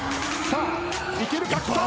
さあいけるか⁉きた！